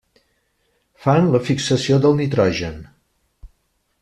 Fan la fixació del nitrogen.